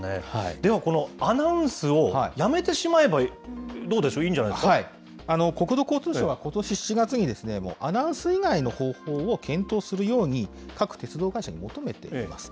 では、このアナウンスをやめてしまえば、どうでしょう、国土交通省は、ことし４月にですね、もうアナウンス以外の方法を検討するように、各鉄道会社に求めています。